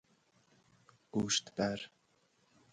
گوشت بر